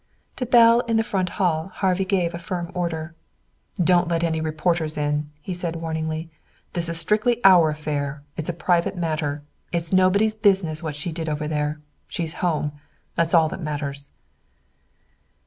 To Belle in the front hall Harvey gave a firm order. "Don't let any reporters in," he said warningly. "This is strictly our affair. It's a private matter. It's nobody's business what she did over there. She's home. That's all that matters."